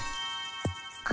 あ。